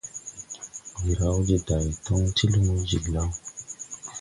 Ndi raw de day toŋ ti lumo jiglaw.